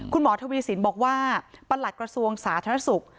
คุณหมอทวีสินบอกว่าประหลัดกระทรวงสาธารณสุข